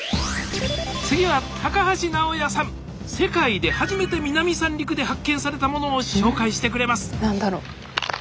次は世界で初めて南三陸で発見されたものを紹介してくれます何だろう？